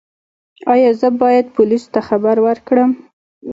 ایا زه باید پولیسو ته خبر ورکړم؟